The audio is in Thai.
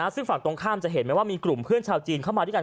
ซึ่งฝั่งตรงข้ามจะเห็นไหมว่ามีกลุ่มเพื่อนชาวจีนเข้ามาด้วยกัน